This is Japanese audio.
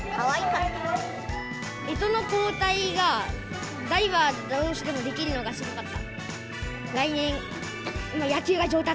えとの交代が、ダイバーどうしでできるのがすごかった。